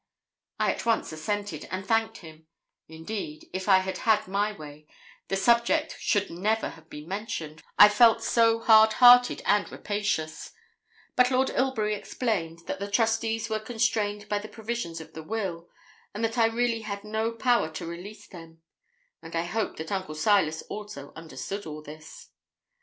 I at once assented, and thanked him; indeed, if I had had my way, the subject should never have been mentioned, I felt so hardhearted and rapacious; but Lord Ilbury explained that the trustees were constrained by the provisions of the will, and that I really had no power to release them; and I hoped that Uncle Silas also understood all this.